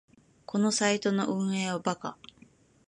このサイトの運営はバカ